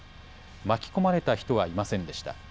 巻き込まれた人はいませんでした。